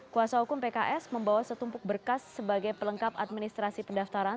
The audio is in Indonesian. kuasa hukum pks membawa setumpuk berkas sebagai pelengkap administrasi pendaftaran